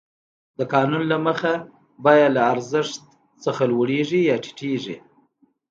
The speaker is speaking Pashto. د قانون له مخې بیه له ارزښت لوړېږي یا ټیټېږي